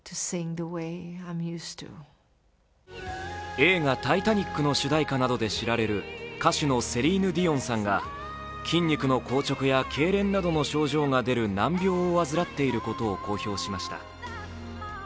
映画「タイタニック」の主題歌などで知られる歌手のセリーヌ・ディオンさんが筋肉の硬直やけいれんなどの症状が出る、難病を患っていることを公表しました。